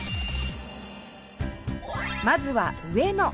まずは上野！